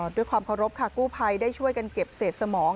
ด้วยความเคารพค่ะกู้ภัยได้ช่วยกันเก็บเศษสมอง